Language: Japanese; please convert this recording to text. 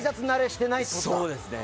そうですね。